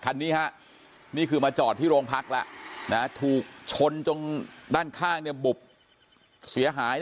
คันนี้ฮะนี่คือมาจอดที่โรงพักแล้วถูกชนจนด้านข้างบุบเสียหาย